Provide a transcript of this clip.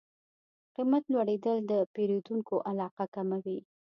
قیمت لوړېدل د پیرودونکو علاقه کموي.